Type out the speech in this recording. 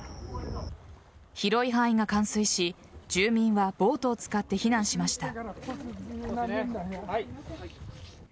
広い範囲が冠水し住民はボートを使って避難しました。